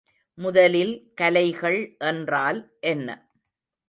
முதலில் கலைகள் என்றால் என்ன?